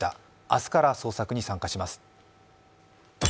明日から捜索に参加します。